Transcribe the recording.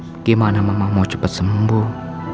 bagaimana mama mau cepat sembuh